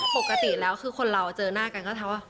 ปกติแล้วคือคนเราเจอหน้ากันก็จะว่า